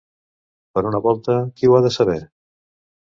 Per una volta, qui ho ha de saber?